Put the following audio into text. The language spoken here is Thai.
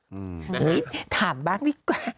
เฮ้ยถามบ้างดีกว่า